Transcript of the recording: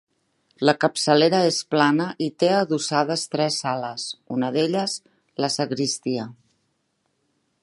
La capçalera és plana i té adossades tres sales, una d'elles, la sagristia.